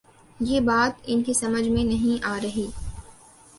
یہ بات ان کی سمجھ میں نہیں آ رہی۔